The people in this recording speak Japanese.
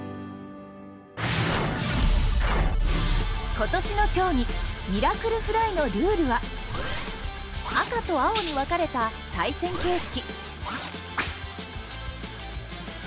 今年の競技「ミラクルフライ」のルールは赤と青に分かれた対戦形式。